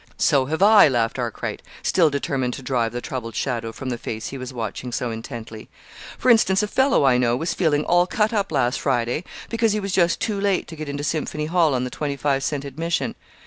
"So have I," laughed Arkwright, still determined to drive the troubled shadow from the face he was watching so intently. "For instance: a fellow I know was feeling all cut up last Friday because he was just too late to get into Symphony Hall on the twenty five cent admission.